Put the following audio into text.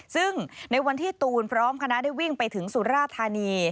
ซึ่งในวันที่ตูนพร้อมคณะได้วิ่งไปถึงสุราธานี